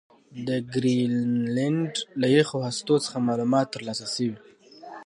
د ګرینلنډ له یخي هستو څخه معلومات ترلاسه شوي